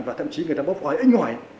và thậm chí người ta bóp khói ít ngoài